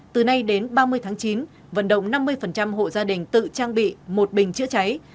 từ nay đến ba mươi tháng chín vận động năm mươi hộ gia đình tự trang bị một bình chữa cháy